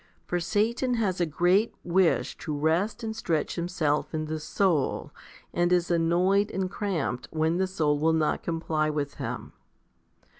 For Satan has a great wish to rest and stretch himself in the soul, and is annoyed and cramped when the soul will not comply with him.